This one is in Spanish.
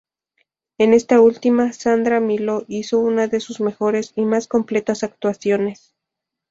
En esta última, Sandra Milo hizo una de sus mejores y más completas actuaciones.